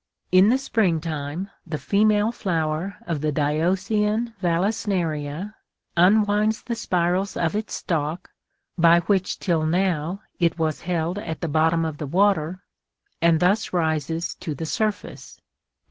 In the spring time the female flower of the diœcian valisneria unwinds the spirals of its stalk, by which till now it was held at the bottom of the water, and thus rises to the surface.